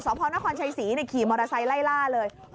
ลงล่างรถไฟมาครับลงล่างรถไฟมาครับลงล่างรถไฟมาครับ